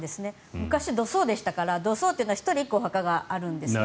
昔、土葬でしたからから土葬は１人１個お墓があるんですね。